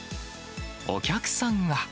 お客さんは。